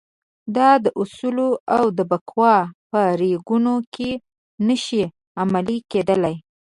دا اصول د بکواه په ریګونو کې نه شي عملي کېدلای.